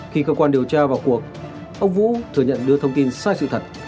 khi cơ quan điều tra vào cuộc ông vũ thừa nhận đưa thông tin sai sự thật